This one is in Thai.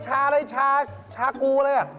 ชาอะไรชาชากรูอะไร